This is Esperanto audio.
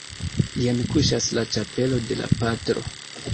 Jen kuŝas la ĉapelo de la patro.